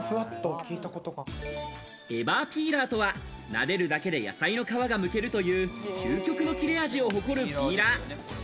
エバーピーラーとはなでるだけで野菜の皮がむけるという究極の切れ味を誇るピーラー。